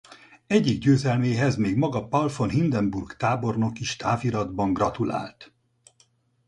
Egyik győzelméhez még maga Paul von Hindenburg tábornok is táviratban gratulált.